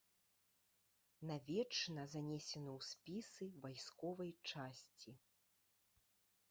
Навечна занесены ў спісы вайсковай часці.